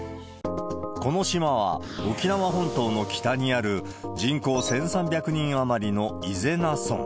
この島は、沖縄本島の北にある人口１３００人余りの伊是名村。